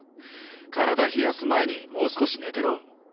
体冷やす前にもう少し寝てろ。